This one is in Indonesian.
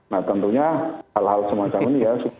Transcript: nah tentunya hal hal semacam ini ya